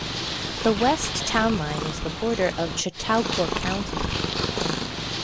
The west town line is the border of Chautauqua County.